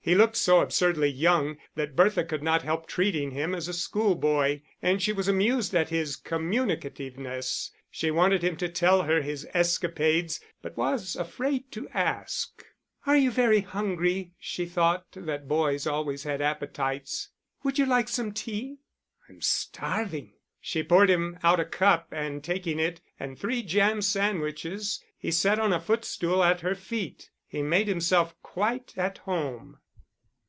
He looked so absurdly young that Bertha could not help treating him as a schoolboy; and she was amused at his communicativeness. She wanted him to tell her his escapades, but was afraid to ask. "Are you very hungry?" She thought that boys always had appetites. "Would you like some tea?" "I'm starving." She poured him out a cup, and taking it and three jam sandwiches, he sat on a footstool at her feet. He made himself quite at home.